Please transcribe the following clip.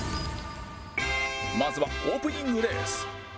まずはオープニングレース